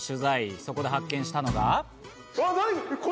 そこで発見したのが。